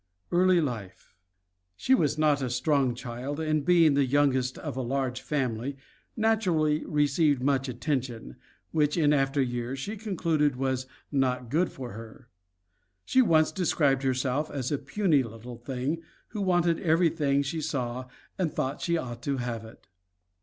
EARLY LIFE She was not a strong child, and being the youngest of a large family naturally received much attention, which in after years she concluded was not good for her. She once described herself as a puny little thing who wanted everything she saw and thought she ought to have it.